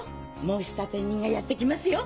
申立人がやって来ますよ。